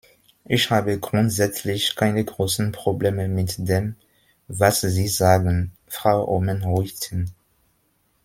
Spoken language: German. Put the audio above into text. Ich habe grundsätzlich keine großen Probleme mit dem, was Sie sagen, Frau Oomen-Ruijten.